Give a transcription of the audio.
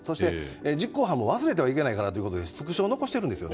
実行犯も忘れてはいけないということでスクショを残しているんです。